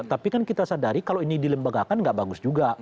tapi kan kita sadari kalau ini dilembagakan nggak bagus juga